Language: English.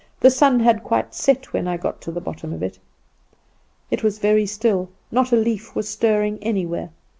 The sun had quite set when I got to the bottom of it. It was very still not a leaf was stirring anywhere.